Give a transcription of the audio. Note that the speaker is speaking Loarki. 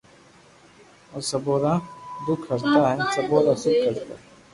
او سبو را دک ھرتا ھين سبو را سک ڪرتا